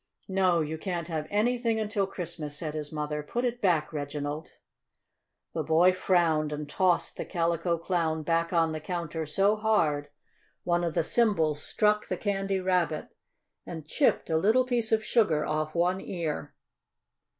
"No, you can't have anything until Christmas," said his mother. "Put it back, Reginald!" The boy frowned and tossed the Calico Clown back on the counter so hard one of the cymbals struck the Candy Rabbit and chipped a little piece of sugar off one ear.